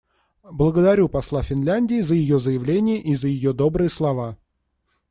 Благодарю посла Финляндии за ее заявление и за ее добрые слова.